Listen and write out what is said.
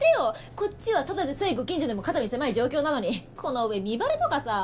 こっちはただでさえご近所でも肩身狭い状況なのにこの上身バレとかさあ。